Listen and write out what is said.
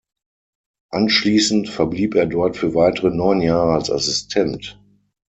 Anschließend verblieb er dort für weitere neun Jahre als Assistent.